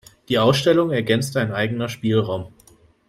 Die Ausstellung ergänzt ein eigener Spielraum.